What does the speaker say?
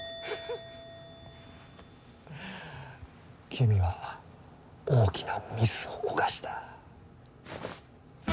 君は大きなミスを犯した。